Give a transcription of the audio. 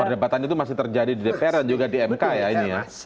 perdebatan itu masih terjadi di dpr dan juga di mk ya ini ya